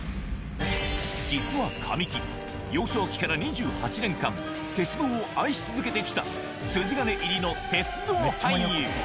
実は神木、幼少期から２８年間、鉄道を愛し続けてきた、筋金入りの鉄道俳優。